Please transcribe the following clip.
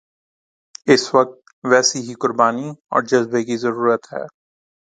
اس وقت ویسی ہی قربانی اور جذبے کی ضرورت ہے